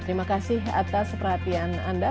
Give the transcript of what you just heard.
terima kasih atas perhatian anda